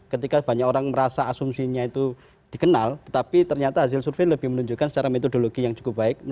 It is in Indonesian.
ketika banyak orang merasa asumsinya itu dikenal tetapi ternyata hasil survei lebih menunjukkan secara metodologi yang cukup baik